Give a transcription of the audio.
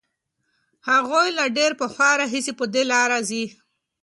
هغوی له ډېر پخوا راهیسې په دې لاره ځي.